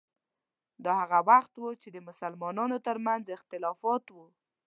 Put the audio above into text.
دا هغه وخت و چې د مسلمانانو ترمنځ اختلافات وو.